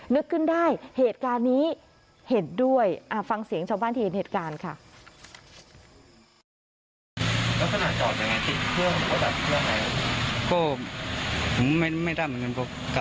นึกขึ้นได้เหตุการณ์นี้เห็นด้วยฟังเสียงชาวบ้านที่เห็นเหตุการณ์ค่ะ